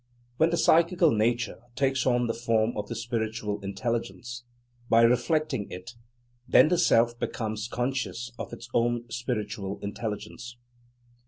When the psychical nature takes on the form of the spiritual intelligence, by reflecting it, then the Self becomes conscious of its own spiritual intelligence.